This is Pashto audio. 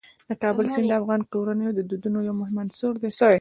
د کابل سیند د افغان کورنیو د دودونو مهم عنصر دی.